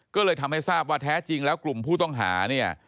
ก็เลยทำให้ทราบว่าแท้จริงแล้วกลุ่มผู้ต้องหาเนี่ย